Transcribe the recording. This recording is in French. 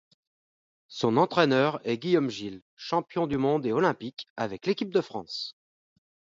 Son entraîneur est Guillaume Gille, champion du monde et olympique avec l'équipe de France.